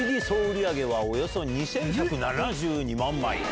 総売り上げはおよそ２１７２万枚。